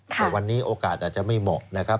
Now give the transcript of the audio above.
แต่วันนี้โอกาสอาจจะไม่เหมาะนะครับ